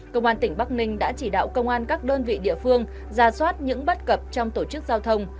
công an tỉnh bắc ninh đã chỉ đạo công an các đơn vị địa phương ra soát những bất cập trong tổ chức giao thông